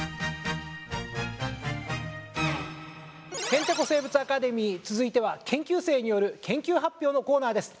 「へんてこ生物アカデミー」続いては研究生による研究発表のコーナーです。